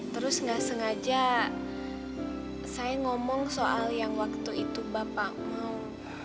terus nggak sengaja saya ngomong soal yang waktu itu bapak mau